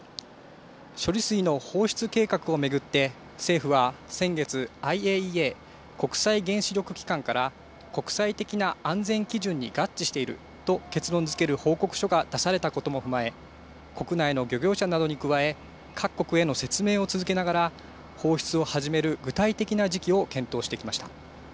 処理水の放出計画を巡って政府は先月、ＩＡＥＡ・国際原子力機関から国際的な安全基準に合致していると結論づける報告書が出されたことも踏まえ、国内の漁業者などに加え各国への説明を続けながら放出を始める具体的な時期を検討してきました。